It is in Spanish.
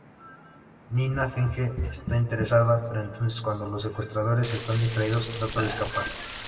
Nina finge estar interesada, pero entonces, cuando los secuestradores están distraídos, trata de escapar.